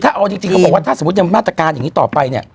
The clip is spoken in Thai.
ถ้าเอาจริงถ้าบอกว่าถ้าสมมติการต่อไปเนี่ย